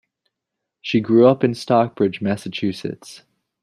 She grew up in Stockbridge, Massachusetts.